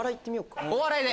「お笑い」で。